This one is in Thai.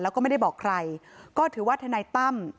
แล้วก็ไม่ได้บอกใครก็ถือว่าทนายตั้ม